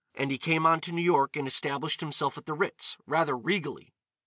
And he came on to New York and established himself at the Ritz, rather regally.